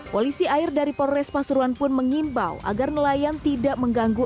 polisi air dari polres pasuruan pun mengimbau agar nelayan tidak mengganggu